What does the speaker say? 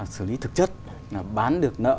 xử lý thực chất là bán được nợ